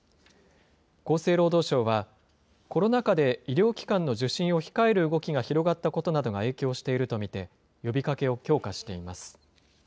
厚生労働省は、コロナ禍で医療機関の受診を控える動きが広がったことなどが影響していると見て、呼びかけを強化しています。